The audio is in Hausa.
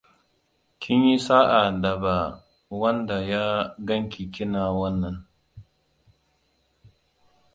Kin yi sa'a da ba wanda ya ganki kina wannan.